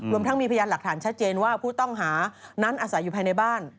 รวมทั้งมีพยานหลักฐานชัดเจนว่าผู้ต้องหานั้นอาศัยอยู่ภายในบ้าน